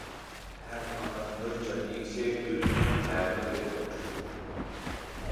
ھەرقانداق بىر جان ئىگىسى ئۆلۈمنىڭ تەمىنى تېتىغۇچىدۇر!